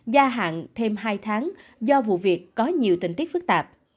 gia hạn thêm hai tháng do vụ việc có nhiều tình tiết phức tạp